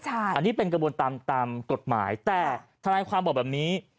อันนี้เป็นกระบวนตามกฎหมายแต่ทนายความบอกแบบนี้